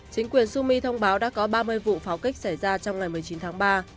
chính quyền sumi thông báo đã có ba mươi vụ pháo kích xảy ra trong ngày một mươi chín tháng ba